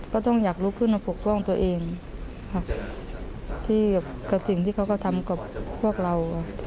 ก็ต้องอยากรู้เพื่อนปกป้องตัวเองกับสิ่งที่เขาก็ทำกับเรา